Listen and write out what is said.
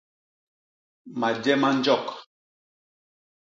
Maje ma njok.